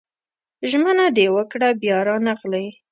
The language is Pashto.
ژمنه دې وکړه بيا رانغلې